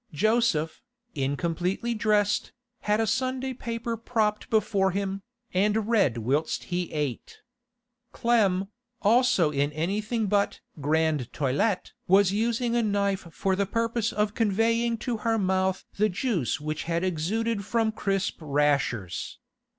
Joseph, incompletely dressed, had a Sunday paper propped before him, and read whilst he ate. Clem, also in anything but grande toilette was using a knife for the purpose of conveying to her mouth the juice which had exuded from crisp rashers.